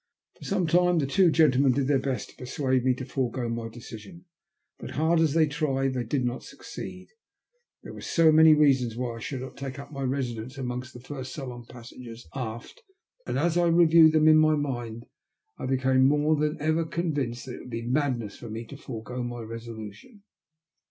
For some time the two gentlemen did their best to persuade me to forego my decision, but, hard as they tried, they did not succeed. There were so many reasons why I should not take up my residence among the first saloon passengers aft, and as I reviewed them in my mind, I became more than ever con vinced that it would be madness for me to forego my resolution.